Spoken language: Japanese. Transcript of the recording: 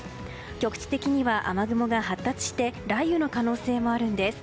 局地的には雨雲が発達して雷雨の可能性もあるんです。